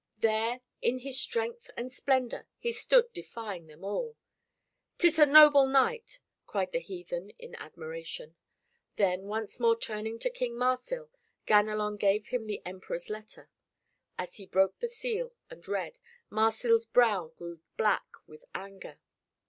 There, in his strength and splendor, he stood defying them all. "'Tis a noble knight!" cried the heathen in admiration. Then once more turning to King Marsil, Ganelon gave him the Emperor's letter. As he broke the seal and read, Marsil's brow grew black with anger.